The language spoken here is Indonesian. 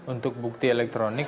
untuk bukti elektronik